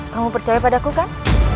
kamu percaya padaku kan